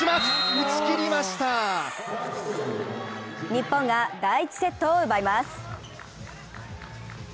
日本が第１セットを奪います。